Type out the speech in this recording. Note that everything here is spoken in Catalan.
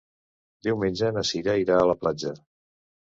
Diumenge na Cira irà a la platja.